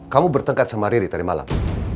kamu bertengkar sama riri tadi malam